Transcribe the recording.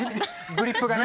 グリップがね。